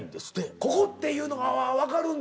ここ！っていうのがわかるんだ。